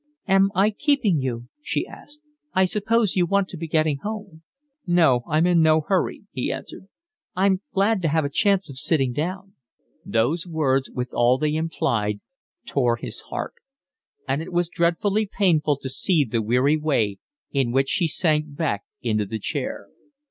"Am I keeping you?" she asked. "I suppose you want to be getting home." "No, I'm in no hurry," he answered. "I'm glad to have a chance of sitting down." Those words, with all they implied, tore his heart, and it was dreadfully painful to see the weary way in which she sank back into the chair.